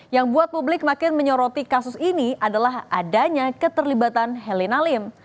yang buat publik makin menyoroti kasus ini adalah adanya keterlibatan heli nalim